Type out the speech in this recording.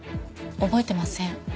覚えてません。